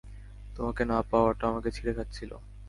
তোমাকে না পাওয়াটা আমাকে ছিঁড়ে খাচ্ছিল।